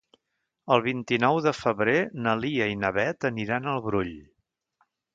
El vint-i-nou de febrer na Lia i na Beth aniran al Brull.